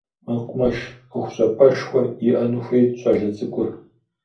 Мэкъумэш ӏуэхущӏапӏэшхуэ иӏэну хуейт щӏалэ цӏыкӏур.